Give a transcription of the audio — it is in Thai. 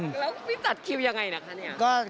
แล้วพี่จัดคิวอย่างไรนะคะนี่